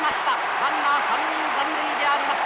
ランナー３人残塁であります。